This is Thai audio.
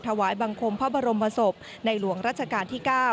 ถวายบังคมพระบรมศพในหลวงรัชกาลที่๙